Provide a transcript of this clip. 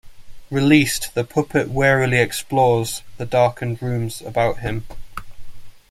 Released, the puppet warily explores the darkened rooms about him.